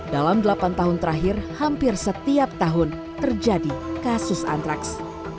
dalam delapan tahun terakhir hampir setiap tahun terjadi kasus antraks